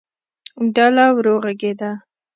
ډله ورو غږېده.